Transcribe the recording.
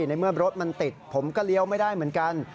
ในเมื่อรถมันติดผมก็เลี้ยวไม่ได้เหมือนกัน